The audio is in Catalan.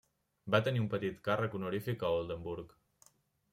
Va tenir un petit càrrec honorífic a Oldenburg.